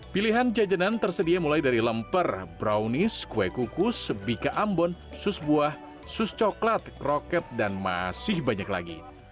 pilihan jajanan tersedia mulai dari lemper brownies kue kukus bika ambon sus buah sus coklat kroket dan masih banyak lagi